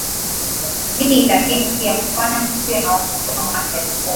di lakini pia kufanya kusiwe na watu ambao hawana majukumu